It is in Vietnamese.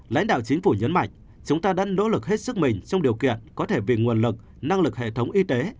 lãnh đạo chính phủ nhấn mạnh chúng ta đang nỗ lực hết sức mình trong điều kiện có thể về nguồn lực năng lực hệ thống y tế